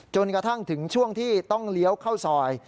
จนกระทั่งถึงช่วงที่ต้องเลี้ยวเข้าซอย